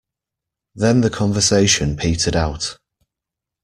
Then the conversation petered out.